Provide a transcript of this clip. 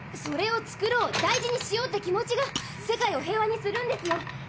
それをつくろう大事にしようって気持ちが世界を平和にするんですよ。